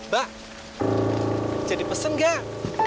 pak jadi pesan gak